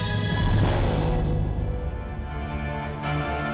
mak mak mak